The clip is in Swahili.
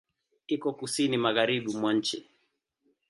Iko Kusini magharibi mwa nchi.